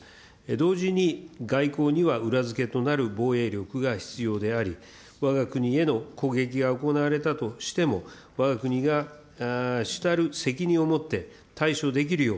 同時に、外交には裏付けとなる防衛力が必要であり、わが国への攻撃が行われたとしても、わが国が主たる責任を持って対処できるよう、